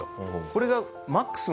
これが。